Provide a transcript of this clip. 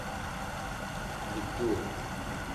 Bedduɣ.